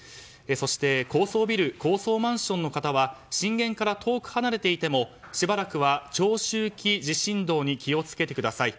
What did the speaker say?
そして高層ビル高層マンションの方は震源から遠く離れていてもしばらくは長周期地震動に気を付けてください。